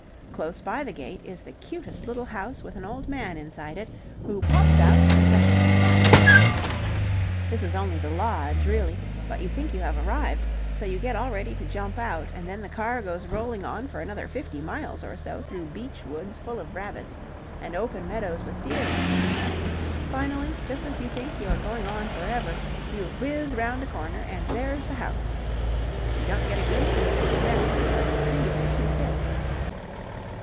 Close by the gate is the cutest little house with an old man inside it who pops out and touches his hat. This is only the lodge, really, but you think you have arrived; so you get all ready to jump out, and then the car goes rolling on for another fifty miles or so through beech woods full of rabbits and open meadows with deer in them. Finally, just as you think you are going on for ever, you whizz round a corner, and there's the house. You don't get a glimpse of it till then, because the trees are too thick.